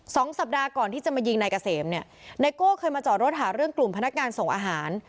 สองสัปดาห์ก่อนที่จะมายิงนายเกษมเนี่ยไนโก้เคยมาจอดรถหาเรื่องกลุ่มพนักงานส่งอาหาร